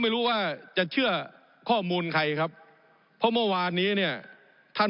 ผมอภิปรายเรื่องการขยายสมภาษณ์รถไฟฟ้าสายสีเขียวนะครับ